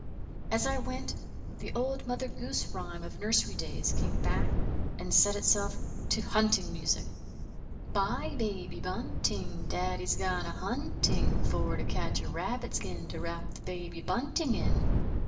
As I went, the old Mother Goose rhyme of nursery days came back and set itself to hunting music: Bye, baby bunting, Daddy's gone a hunting, For to catch a rabbit skin To wrap the baby bunting in.